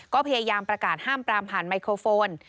ก็พยายามประกาศห้ามปรามผ่านไมโครโฟน